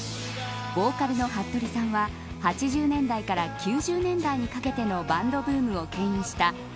ボーカルのはっとりさんは８０年代から９０年代にかけてのバンドブームをけん引した